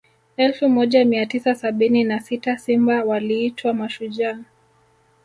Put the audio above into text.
elfu moja mia tisa sabini na sita simba waliitwa mashujaa